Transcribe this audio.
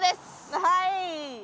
はい！